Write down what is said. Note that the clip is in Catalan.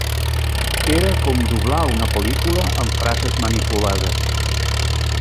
Era com doblar una pel·lícula amb frases manipulades.